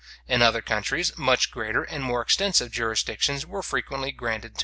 In other countries, much greater and more extensive jurisdictions were frequently granted to them.